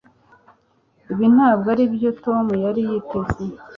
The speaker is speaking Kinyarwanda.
Ibi ntabwo aribyo Tom yari yiteze